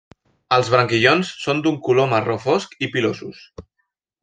Els branquillons són d'un color marró fosc i pilosos.